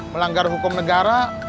melanggar hukum negara